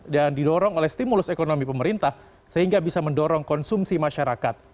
dan didorong oleh stimulus ekonomi pemerintah sehingga bisa mendorong konsumsi masyarakat